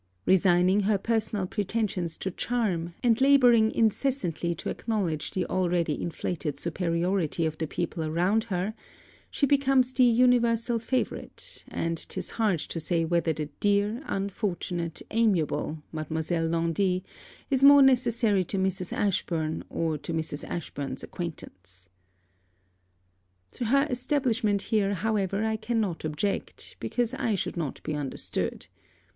Resigning her personal pretensions to charm, and labouring incessantly to acknowledge the already inflated superiority of the people around her, she becomes the universal favourite; and 'tis hard to say whether the dear, unfortunate, amiable, Mademoiselle Laundy is more necessary to Mrs. Ashburn or to Mrs. Ashburn's acquaintance. To her establishment here, however, I cannot object, because I should not be understood.